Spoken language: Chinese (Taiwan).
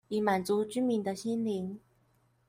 以滿足居民的心靈